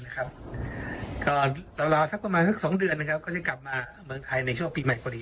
ก็รอสักประมาณสัก๒เดือนก็จะกลับมาเมืองไทยในช่วงปีใหม่พอดี